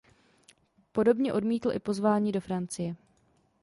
Podobně odmítl i pozvání do Francie.